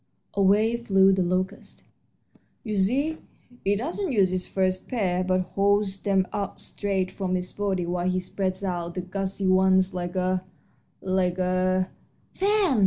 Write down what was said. Away flew the locust. "You see, he doesn't use his first pair, but holds them out straight from his body while he spreads out the gauzy ones like a like a " "Fan!"